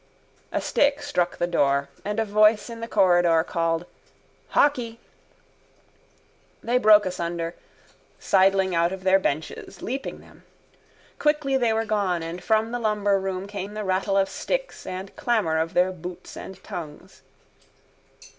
A stick struck the door and a voice in the corridor called: —Hockey! They broke asunder, sidling out of their benches, leaping them. Quickly they were gone and from the lumberroom came the rattle of sticks and clamour of their boots and tongues.